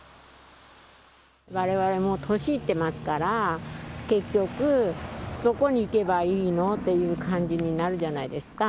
われわれも年いってますから、結局、どこに行けばいいの？っていう感じになるじゃないですか。